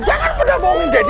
jangan pernah bohongin daddy